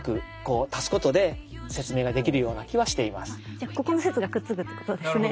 じゃあここの説がくっつくってことですね。